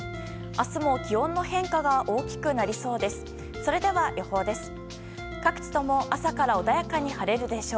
明日も気温の変化が大きくなりそうです。